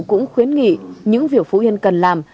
cũng khuyến nghị những việc phú yên cần làm